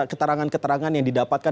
keterangan keterangan yang didapatkan